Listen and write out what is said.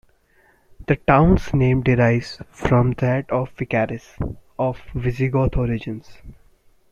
The town's name derives from that of Ficaris, of Visigoth origins.